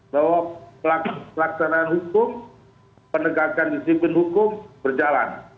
bahwa pelaksanaan hukum penegakan disiplin hukum berjalan